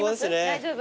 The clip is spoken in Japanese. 大丈夫？